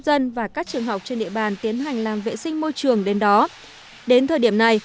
dân và các trường học trên địa bàn tiến hành làm vệ sinh môi trường đến đó đến thời điểm này